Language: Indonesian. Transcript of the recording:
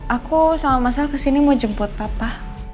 aku sama masalah kesini mau jemput papa